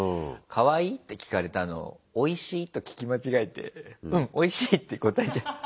「かわいい？」って聞かれたのを「おいしい？」と聞き間違えて「うんおいしい」って答えちゃった。